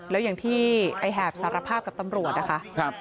แล้วอย่างที่ไอ้แหบสารภาพกับตำรวจนะคะ